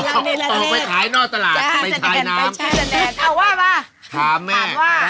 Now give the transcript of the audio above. เอาไปถ่ายนอกตลาดไปถ่ายน้ำ